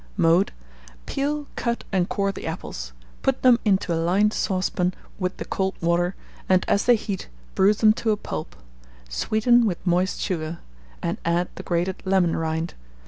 Mode. Peel, cut, and core the apples; put them into a lined saucepan with the cold water, and as they heat, bruise them to a pulp; sweeten with moist sugar, and add the grated lemon rind.